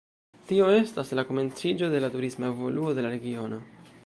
Tio estis la komenciĝo de la turisma evoluo de la regiono.